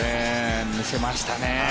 見せましたね。